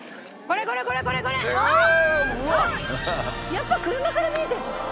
やっぱ車から見えたやつ。